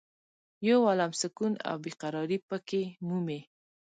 یو عالم سکون او بې قرارې په کې مومې.